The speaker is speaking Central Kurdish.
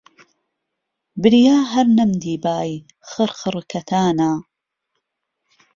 بریا ههر نهمدیبای، خڕخڕ کهتانه